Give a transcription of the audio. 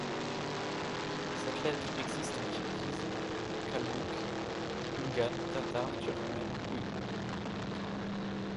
Cette lettre existe en kirghize, kalmouk, doungane, tatar, turkmène, ouïghour.